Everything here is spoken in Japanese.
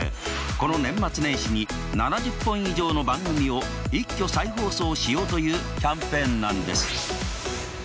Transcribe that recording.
この年末年始に７０本以上の番組を一挙再放送しようというキャンペーンなんです。